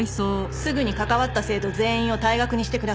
すぐに関わった生徒全員を退学にしてください。